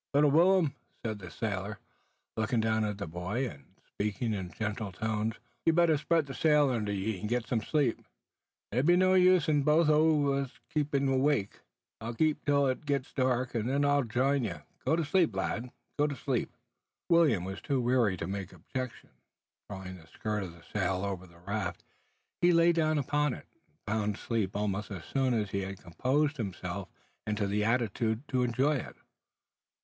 "Little Will'm," said the sailor, looking down at the boy, and speaking in gentle tones, "you'd better spread the sail under ye, and get some sleep. There be no use in both o' us keeping awake. I'll watch till it gets dark, an' then I'll join you. Go to sleep, lad! go to sleep!" William was too wearied to make objection. Drawing the skirt of the sail over the raft, he lay down upon it, and found sleep almost as soon is he had composed himself into the attitude to enjoy it.